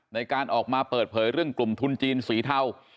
ในการออกมาเปิดเผยเรื่องกลุ่มทุนจีนสีเทา